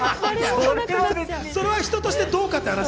それは人としてどうかって。